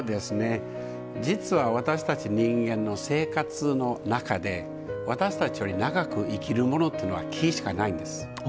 実は私たち人間の生活の中で私たちより長く生きるものっていうのは木しかないんです。